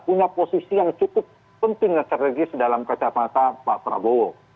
punya posisi yang cukup penting dan strategis dalam kacamata pak prabowo